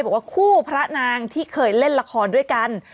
บอกว่าคู่พระนางที่เคยเล่นละครด้วยกัน